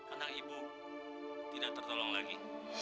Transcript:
anak ibu tidak tertolong lagi